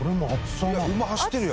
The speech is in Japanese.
いや馬走ってるよ！